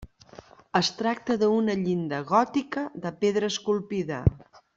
Es tracta d'una llinda gòtica de pedra esculpida.